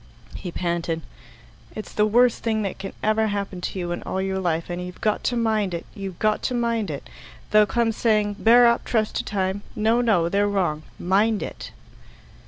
He panted, "It's the worst thing that can ever happen to you in all your life, and you've got to mind it you've got to mind it. They'll come saying, 'Bear up trust to time.' No, no; they're wrong. Mind it."